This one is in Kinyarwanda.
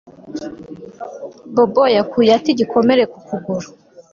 Bobo yakuye ate igikomere ku kuguru